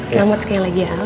selamat sekali lagi al